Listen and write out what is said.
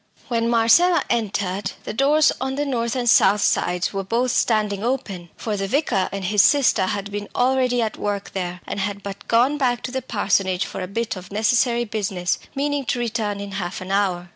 When Marcella entered, the doors on the north and south sides were both standing open, for the vicar and his sister had been already at work there, and had but gone back to the parsonage for a bit of necessary business, meaning to return in half an hour.